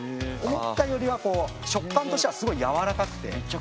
思ったよりはこう触感としてはすごい柔らかくて。